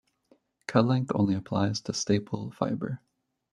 Cut-length only applies to staple fiber.